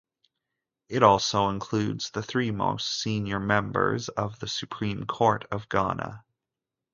It also includes the three most senior members of the Supreme Court of Ghana.